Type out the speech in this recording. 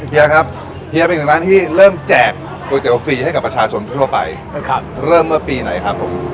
เฮียครับเฮียเป็นอีกร้านที่เริ่มแจก๋วยเตี๋ยฟรีให้กับประชาชนทั่วไปเริ่มเมื่อปีไหนครับผม